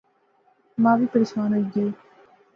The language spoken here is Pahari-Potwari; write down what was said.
ما وی پریشان ہوئی گئی